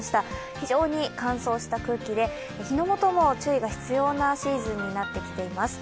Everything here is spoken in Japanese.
非常に乾燥した空気で火の元も注意が必要なシーズンになってきています。